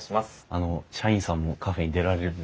あの社員さんもカフェに出られるんですね。